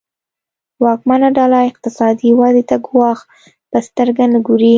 واکمنه ډله اقتصادي ودې ته ګواښ په سترګه نه ګوري.